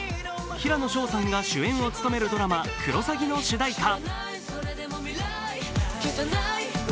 平野紫耀さんが主演を務めるドラマ「クロサギ」の主題歌。